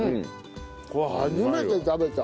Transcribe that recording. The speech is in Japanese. これ初めて食べた！